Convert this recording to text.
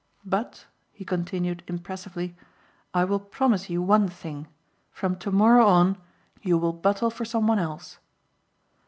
But," he continued impressively, "I will promise you one thing. From tomorrow on, you will buttle for someone else."